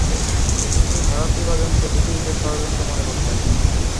তিনি ভারত বিভাজনকে ব্রিটিশদের ষড়যন্ত্র মনে করতেন।